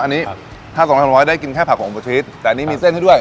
อันนี้ถ้า๒๓๐๐ได้กินแค่ผักของบูชีสแต่อันนี้มีเส้นให้ด้วย